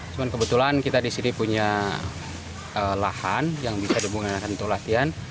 cuman kebetulan kita di sini punya lahan yang bisa digunakan untuk latihan